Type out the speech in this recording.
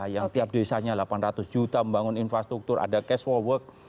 yang tiap desanya delapan ratus juta membangun infrastruktur ada cash for work